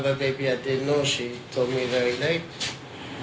และหลังจากนั้นฉันกลับมาสร้างโรงพยาบาล